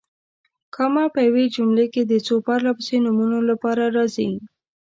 کامه په یوې جملې کې د څو پرله پسې نومونو لپاره راځي.